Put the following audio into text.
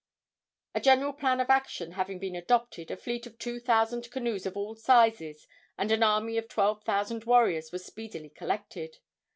A general plan of action having been adopted, a fleet of two thousand canoes of all sizes and an army of twelve thousand warriors were speedily collected.